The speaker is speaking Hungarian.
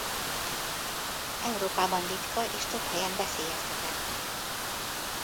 Európában ritka és több helyen veszélyeztetett.